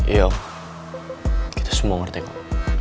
iya kita semua ngerti kok